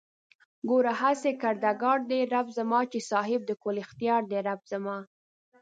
گوره هسې کردگار دئ رب زما چې صاحب د کُل اختيار دئ رب زما